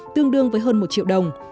tương đương với hơn một triệu đồng